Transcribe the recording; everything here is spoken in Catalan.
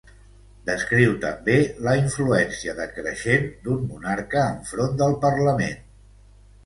Descriu també la influència decreixent d'un monarca enfront del parlament.